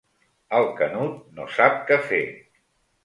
El Canut no sap què fer.